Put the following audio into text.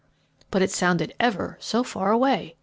but it sounded ever so far away.